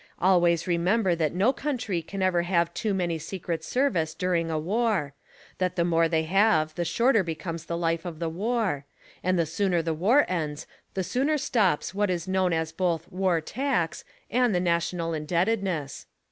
Always remember that no country can ever have too many Secret Service during a war; that the m.ore they have the shorter becomes the life of the war; and the sooner the war ends the sooner stops what is known as both war tax and the national indebtedness.